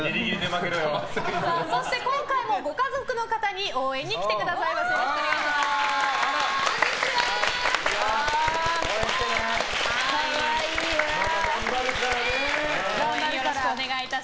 そして今回もご家族の方に応援に来てくださいました。